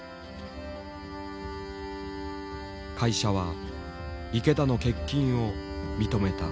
会社は池田の欠勤を認めた。